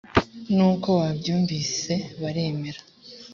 nuko babyumvise baremera,